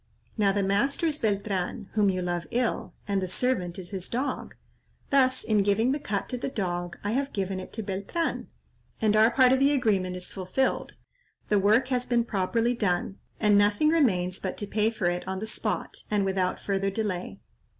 Now the master is Beltran, whom you love ill, and the servant is his dog; thus in giving the cut to the dog I have given it to Beltran, and our part of the agreement is fulfilled; the work has been properly done, and nothing remains but to pay for it on the spot and without further delay."